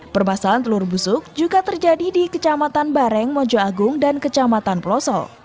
permasalahan telur busuk juga terjadi di kecamatan bareng mojo agung dan kecamatan peloso